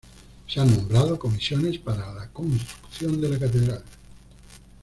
Se han nombrado comisiones para la construcción de la catedral.